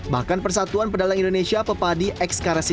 bahkan persatuan pedagang indonesia pepadi ekskarasi